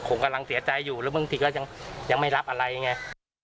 คงกำลังเสียใจอยู่แล้วเมื่อกี๊ก็ยังไม่รับอะไรไง